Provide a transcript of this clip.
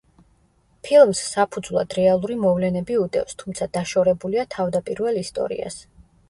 ფილმს საფუძვლად რეალური მოვლენები უდევს, თუმცა დაშორებულია თავდაპირველ ისტორიას.